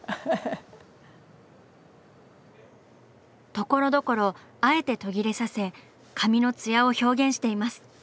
ところどころあえて途切れさせ髪のツヤを表現しています！